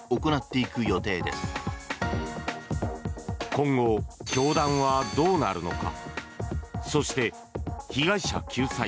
今後、教団はどうなるのか。